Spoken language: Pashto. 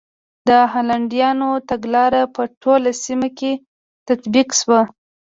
د هالنډیانو تګلاره په ټوله سیمه کې تطبیق شوه.